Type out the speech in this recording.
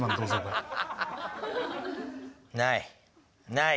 ない。